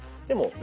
でも。